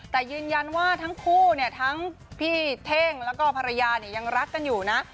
แต่ยืนยันว่าทั้งคู่เนี่ยทั้งพี่เท่งแล้วก็ภรรยาเนี่ยยังรักกันอยู่นะ